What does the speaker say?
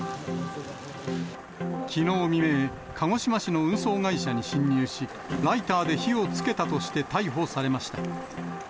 きのう未明、鹿児島市の運送会社に侵入し、ライターで火をつけたとして逮捕されました。